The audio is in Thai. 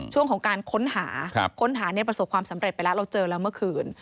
ช่วงของการค้นหาค้นหาเนี่ยประสบความสำเร็จไปแล้วเราเจอแล้วเมื่อคืน